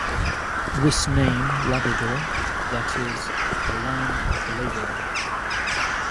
This name Labrador, that is, the land of the laborer.